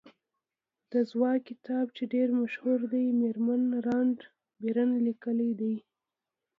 د ځواک کتاب چې ډېر مشهور دی مېرمن رانډا بېرن لیکلی دی.